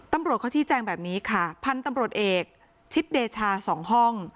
ตำรวจเขาชี้แจงแบบนี้ค่ะพันธุ์ตำรวจเอกชิดเดชาสองห้อง